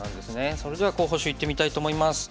それでは候補手いってみたいと思います。